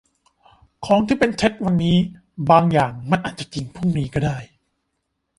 ของที่เป็นเท็จวันนี้ บางอย่างมันอาจจะจริงพรุ่งนี้ก็ได้